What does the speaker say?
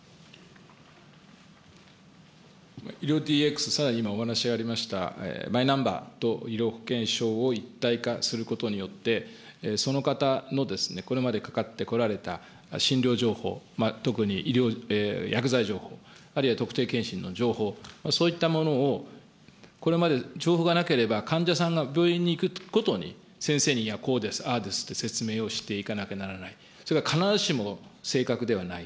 医療ＤＸ、さらに今お話ありました、マイナンバーと医療保険証を一体化することによって、その方のこれまでかかってこられた診療情報、特に薬剤情報、あるいは特定健診の情報、そういったものを、これまで情報がなければ、患者さんが病院に行くごとに、先生にはこうです、ああですと説明をしていかなきゃならない、それが必ずしも正確ではない。